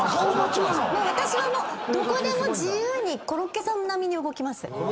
私はどこでも自由にコロッケさん並みに動きます。